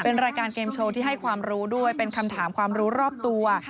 เป็นรายการเกมโชว์ที่ให้ความรู้ด้วยเป็นคำถามความรู้รอบตัว